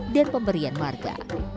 dan pemberian warga